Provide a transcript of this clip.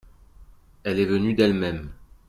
Elle est venue d'elle-même.